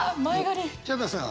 ヒャダさん